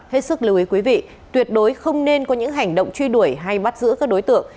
hết sức lưu ý quý vị tuyệt đối không nên có những hành động truy đuổi hay bắt giữ các đối tượng